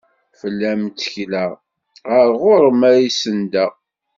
Fell-am ttekleɣ, ɣer ɣur-m ad sendeɣ.